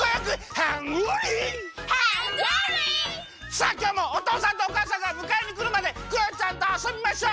さあきょうもおとうさんとおかあさんがむかえにくるまでクヨちゃんとあそびましょ！